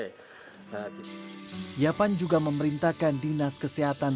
yapan juga memerintahkan dinas kesehatan